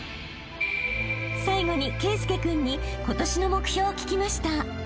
［最後に圭佑君に今年の目標を聞きました］